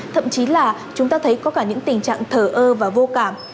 chính là chúng ta thấy có cả những tình trạng thờ ơ và vô cảm